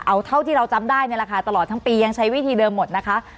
เอาเท่าที่เราจำได้นี่แหละค่ะตลอดทั้งปียังใช้วิธีเดิมหมดนะคะ